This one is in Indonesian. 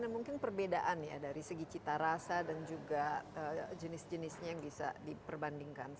dan mungkin perbedaan ya dari segi cita rasa dan juga jenis jenisnya yang bisa diperbandingkan